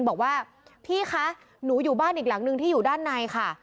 บอกว่าพี่คะหนูอยู่บ้านอีกหลังนึงที่อยู่ด้านในค่ะ